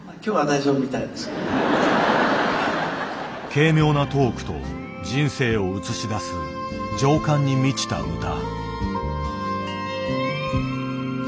軽妙なトークと人生をうつし出す情感に満ちた歌。